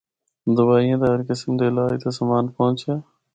دوائیاں تے ہر قسم دے علاج دا سامان پہنچیا۔